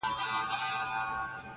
پر ښايستوكو سترگو~